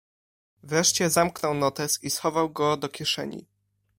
"Wreszcie zamknął notes i schował go do kieszeni."